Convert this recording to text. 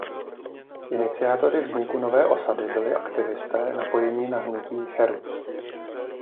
Iniciátory vzniku nové osady byli aktivisté napojení na hnutí Cherut.